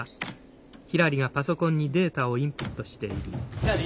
ひらり。